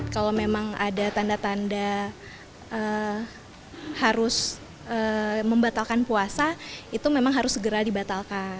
kalau memang ada tanda tanda harus membatalkan puasa itu memang harus segera dibatalkan